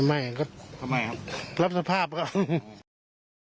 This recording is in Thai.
ไม่ก็รับสภาพครับครับอื้ออื้อ